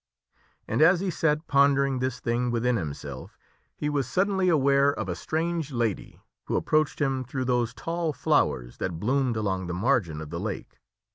And as he sat pondering this thing within himself, he was suddenly aware of a strange lady, who approached him through those tall flowers that bloomed along the margin of the lake.